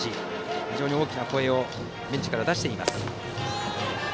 非常に大きな声をベンチから出しています。